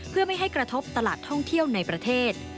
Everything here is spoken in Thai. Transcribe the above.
เพื่อไม่ให้กระทบตลาดท่องเที่ยวในประเทศ